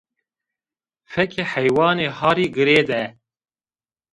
Fekê heywanê harî girê de